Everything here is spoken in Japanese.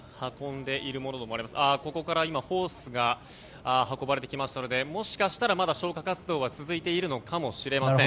ここからホースが運ばれてきましたのでもしかしたらまだ消火活動が続いているのかもしれません。